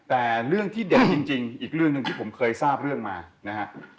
แต่เรื่องที่เด็ดจริงอีกเรื่องหนึ่งที่ผมเคยทราบเรื่องมานะฮะ